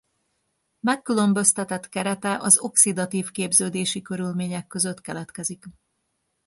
Megkülönböztetett kerete az oxidatív képződési körülmények között keletkezik.